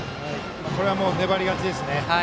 これは粘り勝ちですね。